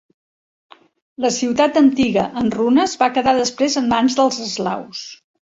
La ciutat antiga en runes va quedar després en mans dels eslaus.